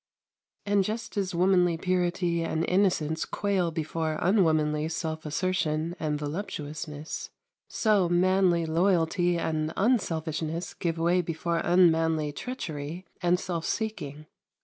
126. And just as womanly purity and innocence quail before unwomanly self assertion and voluptuousness, so manly loyalty and unselfishness give way before unmanly treachery and self seeking.